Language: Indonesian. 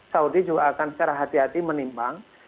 saudi juga akan secara hati hati menimbang